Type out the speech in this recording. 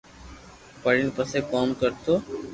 پڙين پسو ڪوم ڪرتو